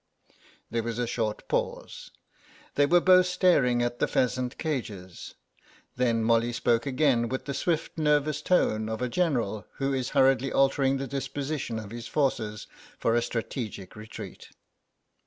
There was a short pause; they were both staring at the pheasant cages. Then Molly spoke again, with the swift nervous tone of a general who is hurriedly altering the disposition of his forces for a strategic retreat.